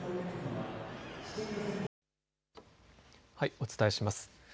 お伝えします。